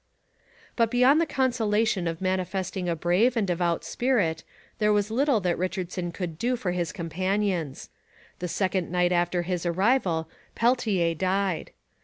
But beyond the consolation of manifesting a brave and devout spirit, there was little that Richardson could do for his companions. The second night after his arrival Peltier died.